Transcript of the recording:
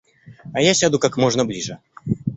А я сяду как можно ближе.